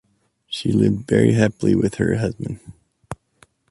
She lived very happily with her husband.